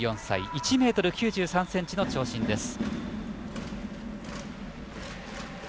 １ｍ９３ｃｍの長身です。